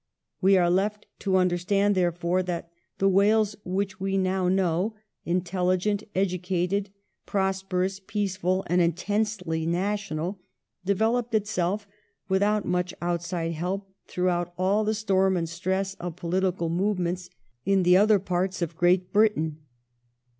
We are left to understand, therefore, that the Wales which we now know — intelligent, educated, prosperous, peaceful, and intensely national — de veloped itself without much outside help throughout all the storm and stress of poHtical movements in the other parts of Great Britain.